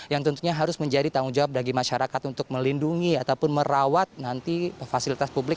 yang tentunya harus menjadi tanggung jawab bagi masyarakat untuk melindungi ataupun merawat nanti fasilitas publik